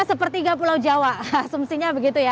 sepertiga pulau jawa asumsinya begitu ya